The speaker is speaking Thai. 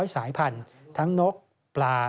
สายพันธุ์ทั้งนกปลา